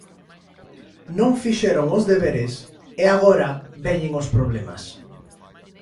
Non fixeron os deberes e agora veñen os problemas.